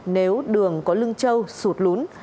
nếu đường có lưng trâu sụt lún